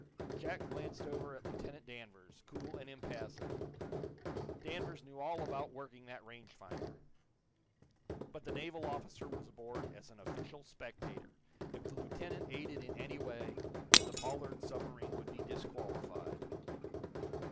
Jack glanced over at Lieutenant Danvers, cool and impassive. Danvers knew all about working that range finder. But the naval officer was aboard as an official spectator. If the lieutenant aided in any way, then the Pollard submarine would be disqualified.